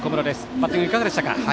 バッティングいかがでしたか？